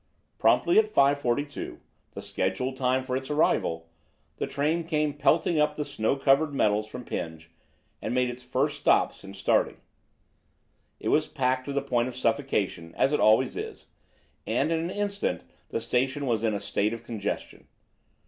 Promptly at 5.42, the scheduled time for its arrival, the train came pelting up the snow covered metals from Penge, and made its first stop since starting. It was packed to the point of suffocation, as it always is, and in an instant the station was in a state of congestion.